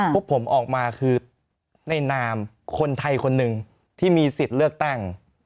พวกผมออกมาคือในนามคนไทยคนหนึ่งที่มีสิทธิ์เลือกตั้ง